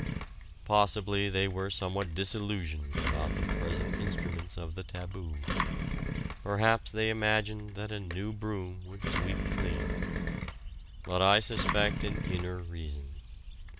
Possibly they were somewhat disillusioned about the present instruments of the taboo; perhaps they imagined that a new broom would sweep clean. But I suspect an inner reason.